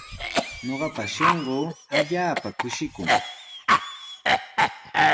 Ñuqapa shunquu allaapa kushikun.